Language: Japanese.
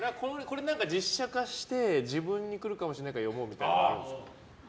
実写化して自分に来るかもしれないから読もうみたいなのあるんですか？